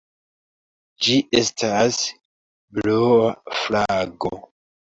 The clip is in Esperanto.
Ĝi estas blua flago.